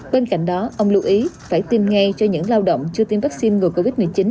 bên cạnh đó ông lưu ý phải tiêm ngay cho những lao động chưa tiêm vaccine ngừa covid một mươi chín